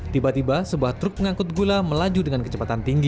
tiba tiba sebuah truk pengangkut gula melaju dengan kecepatan tinggi